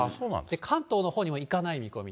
関東のほうにも行かない見込み。